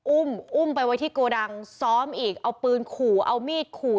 อุ้มอุ้มไปไว้ที่โกดังซ้อมอีกเอาปืนขู่เอามีดขู่